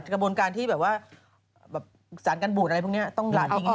กระบวนการที่แบบว่าสารการบูดอะไรพวกนี้ต้องหลานที่นี่หมด